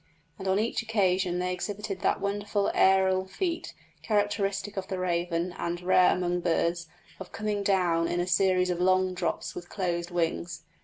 And on each occasion they exhibited that wonderful aërial feat, characteristic of the raven, and rare among birds, of coming down in a series of long drops with closed wings.